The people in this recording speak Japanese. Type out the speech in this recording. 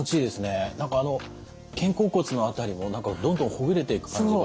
何かあの肩甲骨の辺りも何かどんどんほぐれていく感じが。